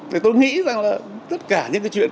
thì tôi nghĩ rằng là tất cả những cái chuyện